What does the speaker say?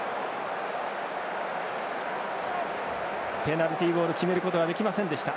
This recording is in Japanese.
ペナルティゴール決めることはできませんでした。